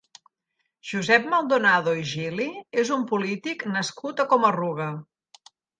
Josep Maldonado i Gili és un polític nascut a Coma-ruga.